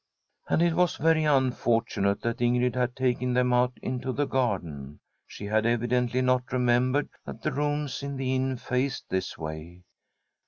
And it was very unfortunate that Ingrid had taken them out into the garden. She had evi dently not remembered that the rooms in the inn faced this way.